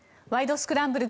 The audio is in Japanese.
スクランブル」